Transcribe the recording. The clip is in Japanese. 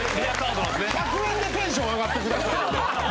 １００円でテンション上がってくださいよ。